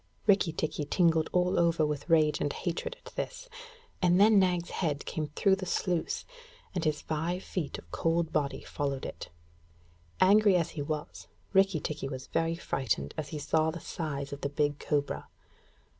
Rikki tikki tingled all over with rage and hatred at this, and then Nag's head came through the sluice, and his five feet of cold body followed it. Angry as he was, Rikki tikki was very frightened as he saw the size of the big cobra.